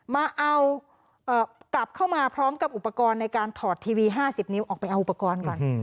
มาเอากลับเข้ามาพร้อมกับอุปกรณ์ในการถอดทีวี๕๐นิ้วออกไปเอาอุปกรณ์ก่อน